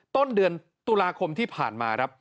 ต้นเดือนตุลาคมที่ผ่านมาครับ